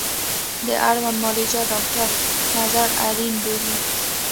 د اړوند معالج ډاکتر نظر اړین بولي